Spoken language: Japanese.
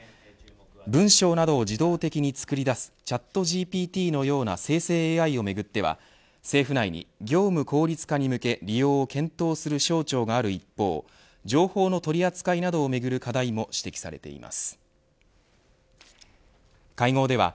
文章などを自動的に作りだすチャットＧＰＴのような生成ＡＩをめぐってば政府内に業務効率化に向け利用を検討する省庁がある一方情報の取り扱いなどをめぐる課題も指摘されています。